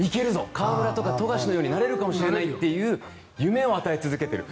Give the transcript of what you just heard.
河村とか富樫のようになれるかもしれないという夢を与え続けている。